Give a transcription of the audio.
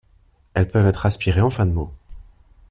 Elles peuvent être aspirées en fin de mot.